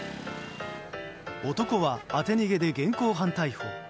男は、当て逃げで現行犯逮捕。